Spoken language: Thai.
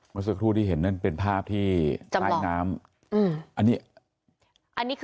เมื่อสักครู่ที่เห็นนั่นเป็นภาพที่ใต้น้ำ